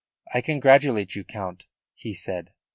"I congratulate you, Count," he said.